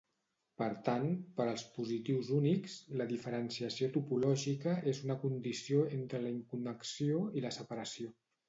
Per tant, per als positius únics, la diferenciació topològica és una condició entre la inconnexió i la separació.